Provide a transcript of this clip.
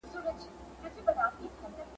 نو بهر له محکمې به څه تیریږي ..